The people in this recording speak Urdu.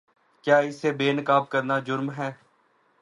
کیا اسے بے نقاب کرنا جرم ہے؟